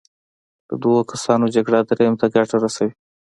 د دوو کسانو جګړه دریم ته ګټه رسوي.